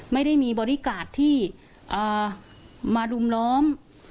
ไม่ได้มีบอดี้การ์ดที่มารุมล้อม